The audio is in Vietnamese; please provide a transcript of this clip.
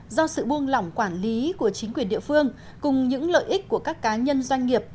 do sự buông lỏng quản lý của chính quyền địa phương cùng những lợi ích của các cá nhân doanh nghiệp